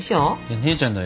姉ちゃんだよ